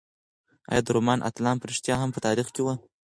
ایا د رومان اتلان په رښتیا هم په تاریخ کې وو؟